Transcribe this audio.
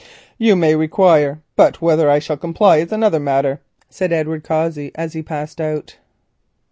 "You may require, but whether I shall comply is another matter," said Edward Cossey, and he passed out.